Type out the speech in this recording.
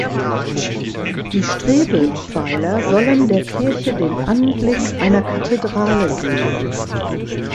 Die Strebepfeiler sollen der Kirche den Anblick einer Kathedrale geben.